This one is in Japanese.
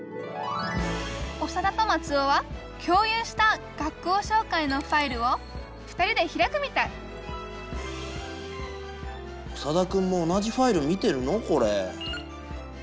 オサダとマツオは共有した学校しょうかいのファイルを２人で開くみたいオサダくんも同じファイルを見てるのこれ？